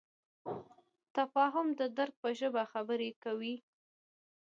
تفاهم د درک په ژبه خبرې کوي.